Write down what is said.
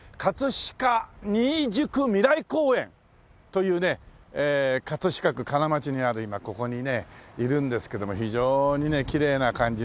飾にいじゅくみらい公園というねええ飾区金町にある今ここにねいるんですけども非常にねきれいな感じのね。